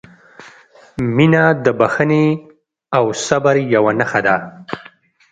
• مینه د بښنې او صبر یوه نښه ده.